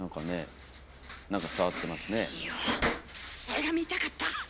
それが見たかった！